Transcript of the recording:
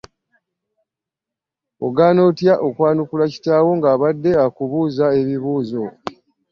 Ogaana otya okwanukula kitaawo ng'abadde akubuuza ebibuuzo?